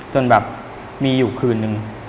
จนแบบมีอยู่คืนนึง